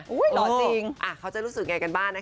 หล่อจริงเขาจะรู้สึกยังไงกันบ้างนะคะ